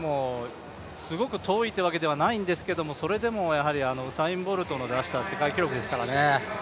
すごく遠いというわけではないんですけども、それでもウサイン・ボルトの出した世界記録ですからね。